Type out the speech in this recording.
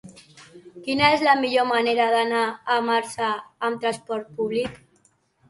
Quina és la millor manera d'anar a Marçà amb trasport públic?